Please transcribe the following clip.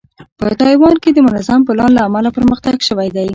په تایوان کې د منظم پلان له امله پرمختګ شوی دی.